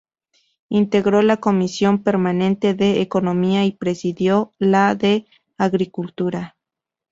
Integró la Comisión Permanente de Economía y presidió la de Agricultura.